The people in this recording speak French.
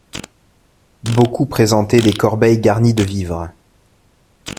Beaucoup présentaient des corbeilles garnies de vivres.